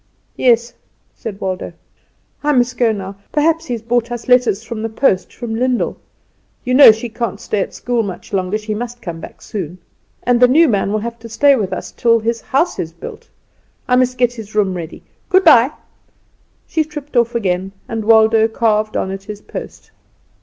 "Yes," said Waldo. "I must go now. Perhaps he has brought us letters from the post from Lyndall. You know she can't stay at school much longer, she must come back soon. And the new man will have to stay with us till his house is built. I must get his room ready. Good bye!" She tripped off again, and Waldo carved on at his post.